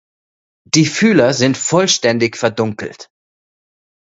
Die Fühler sind vollständig verdunkelt.